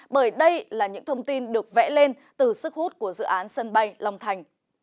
bởi đây là những thông tin được vẽ lên từ sức hút của dự án sân bay long thành